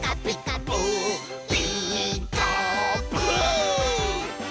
「ピーカーブ！」